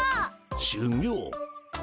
しゅぎょう。